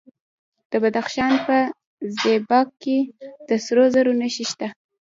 د بدخشان په زیباک کې د سرو زرو نښې شته.